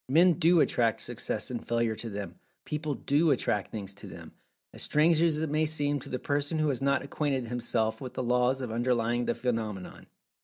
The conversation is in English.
Men do attract Success and Failure to them—people do attract things to them—as strange as it may seem to the person who has not acquainted himself with the laws underlying the phenomenon.